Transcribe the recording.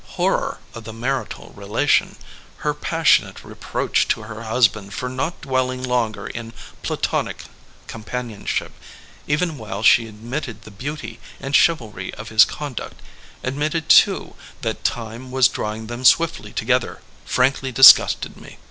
horror of the marital relation, her passionate reproach to her husband for not dwelling longer in Platonic com panionship (even while she admitted the beauty and chivalry of his conduct, admitted, too, that Time was drawing them swiftly together), frankly disgusted me.